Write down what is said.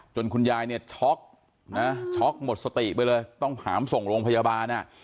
คุณยายเนี่ยช็อกนะช็อกหมดสติไปเลยต้องหามส่งโรงพยาบาลอ่ะ